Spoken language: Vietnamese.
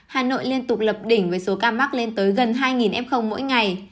hà nội liên tục lập đỉnh với số ca mắc lên tới gần hai f mỗi ngày